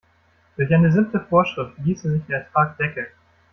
Durch eine simple Vorschrift ließe sich der Ertrag deckeln.